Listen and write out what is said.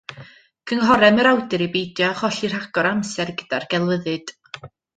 Cynghorem yr awdur i beidio â cholli rhagor o amser gyda'r gelfyddyd.